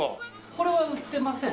これは売ってません。